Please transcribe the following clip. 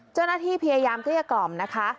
เจ้าหน้าที่พยายามเกลี้ยกล่อมนะคะ